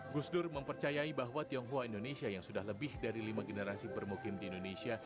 gus dur mempercayai bahwa tionghoa indonesia yang sudah lebih dari lima generasi bermukim di indonesia